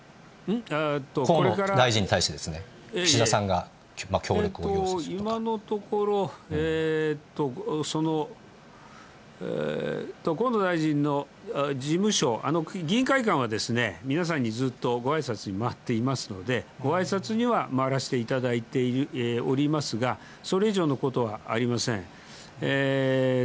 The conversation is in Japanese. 河野大臣に対してですね、今のところ、河野大臣の事務所、議員会館は皆さんにずっとごあいさつに回っていますので、ごあいさつには回らせていただいておりますが、それ以上のことはありません。